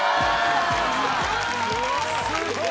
すごい！